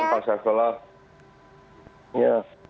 alhamdulillah pak syaifullah